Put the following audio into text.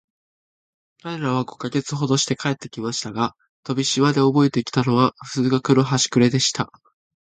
彼等は五ヵ月ほどして帰って来ましたが、飛島でおぼえて来たのは、数学のはしくれでした。